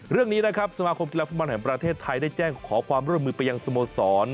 เรื่องนี้สมคมกีฬาผู้บอลแห่งประเทศไทยได้แจ้งขอความร่วมมือไปยังสมสรรค์